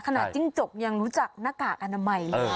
ขนาดจิ้งจกยังรู้จักหน้ากากอนามัย